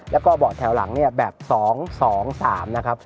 แล้วก็เบาะแถวหลังเนี่ยแบบ๒๒๓นะครับ